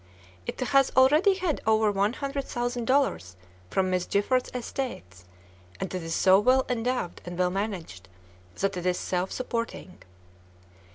It has already had over one hundred thousand dollars from Miss Gifford's estates, and it is so well endowed and well managed that it is self supporting.